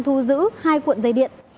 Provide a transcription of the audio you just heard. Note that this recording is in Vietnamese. thu giữ hai cuộn dây điện